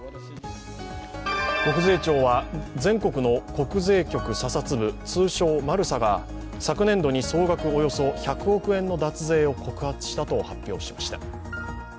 国税庁は、全国の国税局査察部、通称マルサが昨年度に総額およそ１００億円の脱税を告発したと発表しました。